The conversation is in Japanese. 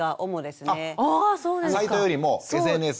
サイトよりもＳＮＳ。